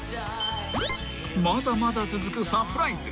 ［まだまだ続くサプライズ］